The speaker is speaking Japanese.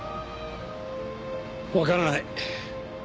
わからない。